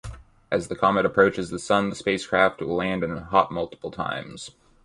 As the comet approaches the Sun, the spacecraft would land and hop multiple times.